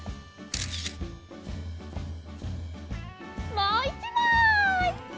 もう１まい！